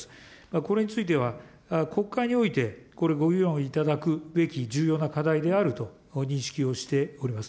これについては国会においてこれ、ご議論いただくべき重要な課題であると認識をしております。